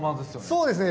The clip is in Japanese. そうですね。